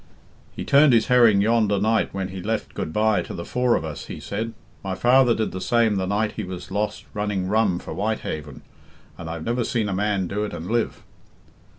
"He turned his herring yonder night when he left goodbye to the four of us," he said. "My father did the same the night he was lost running rum for Whitehaven, and I've never seen a man do it and live."